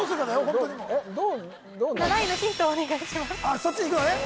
そっちにいくのね？